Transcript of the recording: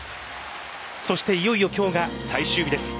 そしていよいよ今日が最終日です。